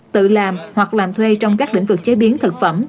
tự làm hoặc làm thuê trong các lĩnh vực chế biến thực phẩm